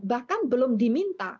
bahkan belum diminta